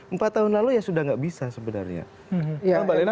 empat tahun lalu ya sudah nggak bisa sebenarnya